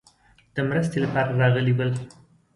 د مرستې لپاره راغلي ول.